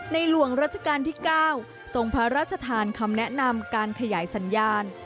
หลวงราชการที่๙ทรงพระราชทานคำแนะนำการขยายสัญญาณ